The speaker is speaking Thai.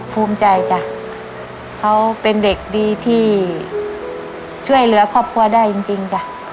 ภูมิใจจ้ะเขาเป็นเด็กดีที่ช่วยเหลือครอบครัวได้จริงจ้ะ